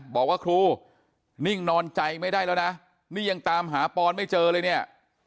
บอกว่าครูนิ่งนอนใจไม่ได้แล้วนะนี่ยังตามหาปอนไม่เจอเลยเนี่ย